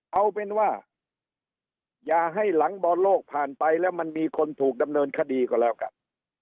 เอาเป็นว่าอย่าให้หลังบอลโลกผ่านไปแล้วมันมีคนถูกดำเนินคดีก็แล้วกัน